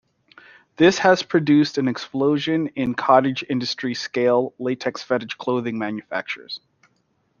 This has produced an explosion in cottage industry scale latex fetish clothing manufacturers.